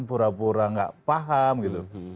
pura pura nggak paham gitu